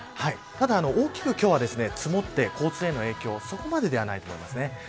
ただ、大きく今日は積もって交通への影響はそこまでではないと思います。